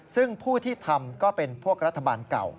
ซึ่งผู้ที่ทำก็เป็นพวกรัฐบาลเก่า